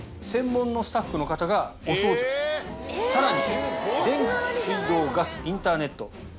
さらに。